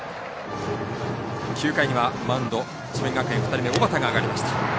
９回にはマウンド、智弁学園２人目の小畠が上がりました。